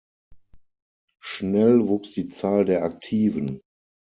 Schnell wuchs die Zahl der Aktiven.